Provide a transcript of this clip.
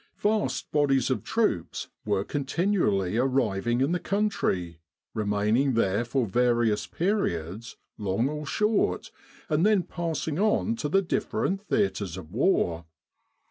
Vast bodies of troops were continually arriving in the country, remaining there for various periods, long or short, and then passing on to the different theatres of war.